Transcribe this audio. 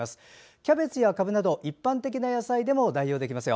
キャベツやかぶなど一般的な野菜でも代用できますよ。